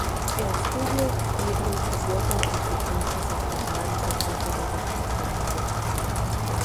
El Studio Ghibli siguió con sus licencias hasta acabar un proceso de reestructuración.